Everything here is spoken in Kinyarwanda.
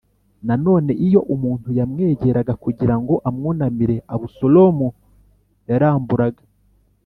Nanone iyo umuntu yamwegeraga kugira ngo amwunamire abusalomu yaramburaga